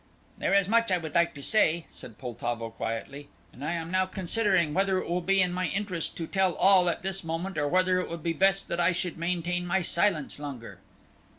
"There is much I would like to say," said Poltavo, quietly, "and I am now considering whether it will be in my interest to tell all at this moment or whether it would be best that I should maintain my silence longer."